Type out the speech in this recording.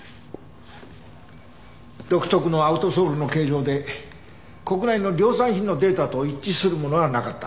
独特のアウトソールの形状で国内の量産品のデータと一致するものはなかった。